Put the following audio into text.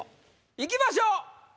いきましょう。